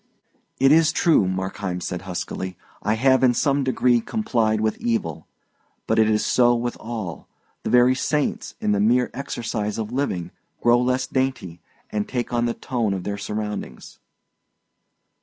"It is true," Markheim said huskily, "I have in some degree complied with evil. But it is so with all; the very saints, in the mere exercise of living, grow less dainty, and take on the tone of their surroundings."